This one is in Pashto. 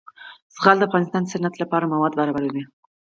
زغال د افغانستان د صنعت لپاره مواد برابروي.